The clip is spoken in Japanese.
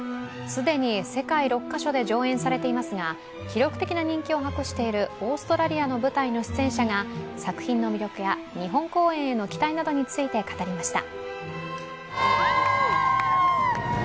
すでに世界６カ所で上演されていますが記録的な人気を博しているオーストラリアの舞台の出演者が作品の魅力や日本公演の期待などについて語りました。